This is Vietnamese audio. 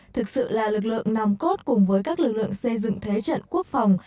thực sự là lực lượng nòng cốt cùng với các lực lượng xây dựng thế trận quốc phòng